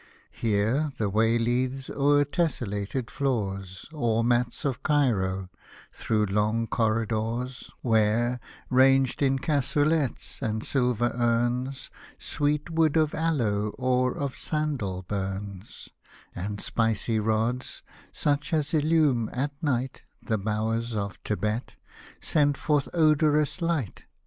Here, the way leads, o'er tesselated floors Or mats of Cairo, through long corridors, Where, ranged in cassolets and silver urns. Sweet wood of aloe or of sandal burns ; And spicy rods, such as illume at night The bowers of Tibet, send forth odorous light.